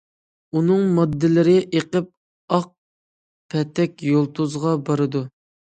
ئۇنىڭ ماددىلىرى ئېقىپ ئاق پەتەك يۇلتۇزغا بارىدۇ.